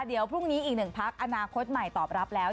เดี๋ยวพรุ่งนี้อีกหนึ่งพักอนาคตใหม่ตอบรับแล้ว